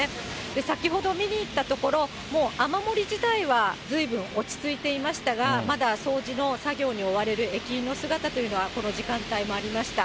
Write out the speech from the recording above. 先ほど見に行ったところ、もう雨漏り自体はずいぶん落ち着いていましたが、まだ掃除の作業に追われる駅員の姿というのはこの時間帯もありました。